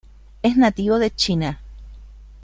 Es nativo de China.